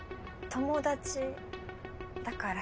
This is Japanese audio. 友達やから！